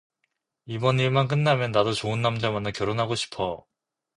이번 일만 끝나면 나도 좋은 남자 만나 결혼하고 싶어